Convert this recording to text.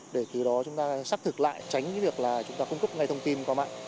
để từ đó chúng ta xác thực lại tránh việc chúng ta cung cấp thông tin qua mạng